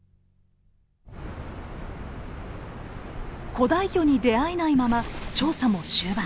古代魚に出会えないまま調査も終盤。